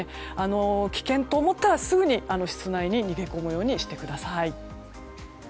危険と思ったらすぐに室内に逃げ込むようにしてください。